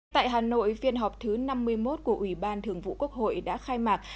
tại hà nội phiên họp thứ năm mươi một của ủy ban thường vụ quốc hội đã khai mạc